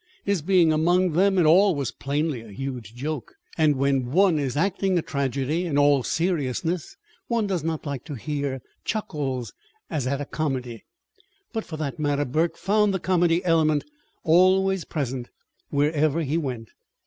His being among them at all was plainly a huge joke and when one is acting a tragedy in all seriousness, one does not like to hear chuckles as at a comedy. But, for that matter, Burke found the comedy element always present, wherever he went.